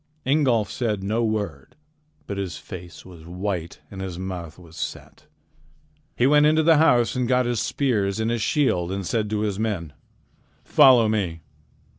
Ingolf said no word, but his face was white, and his mouth was set. He went into the house and got his spears and his shield and said to his men: "Follow me."